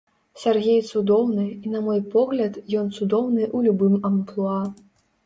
Сяргей цудоўны, і на мой погляд ён цудоўны у любым амплуа.